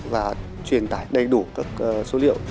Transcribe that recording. và truyền tải đầy đủ các số liệu